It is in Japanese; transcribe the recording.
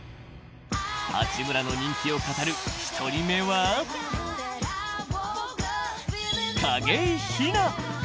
八村の人気を語る１人目は、景井ひな。